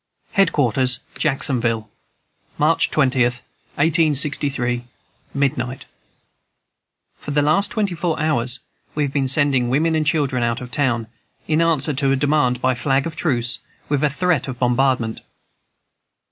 "HEAD QUARTERS, JACKSONVILLE, "March 20, 1863, Midnight. "For the last twenty four hours we have been sending women and children out of town, in answer to a demand by flag of truce, with a threat of bombardment.